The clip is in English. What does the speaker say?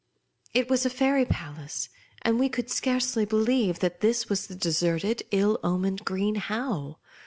It was a fairy palace; and we could scarcely believe that this was the de serted, ill omened Green Howe.